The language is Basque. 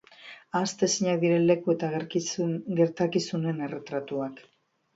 Ahaztezinak diren leku eta gertakizunen erretratuak.